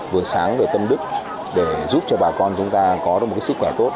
vừa sáng vừa tâm đức để giúp cho bà con chúng ta có được một sức khỏe tốt